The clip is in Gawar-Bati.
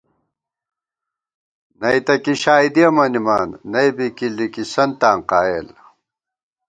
نئ تہ کی شائیدِیَہ مَنِمان ، نئ بی لِکِسَنتاں قائل